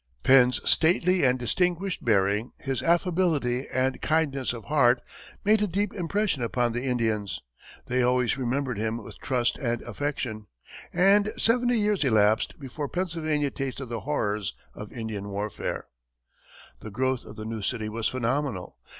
Penn's stately and distinguished bearing, his affability and kindness of heart, made a deep impression upon the Indians; they always remembered him with trust and affection; and seventy years elapsed before Pennsylvania tasted the horrors of Indian warfare. The growth of the new city was phenomenal.